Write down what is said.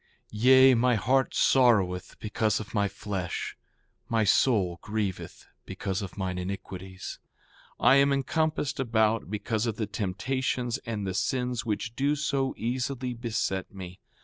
Yea, my heart sorroweth because of my flesh; my soul grieveth because of mine iniquities. 4:18 I am encompassed about, because of the temptations and the sins which do so easily beset me.